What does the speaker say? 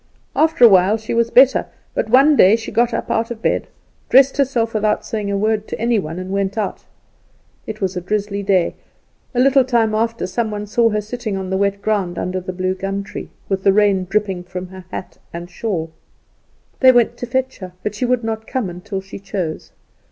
After a while she was better; but one day she got up out of bed, dressed herself without saying a word to any one, and went out. It was a drizzly day; a little time after some one saw her sitting on the wet ground under the bluegum tree, with the rain dripping from her hat and shawl. They went to fetch her, but she would not come until she chose.